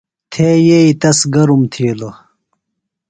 تھے یئیی تس گرم تِھیلوۡ۔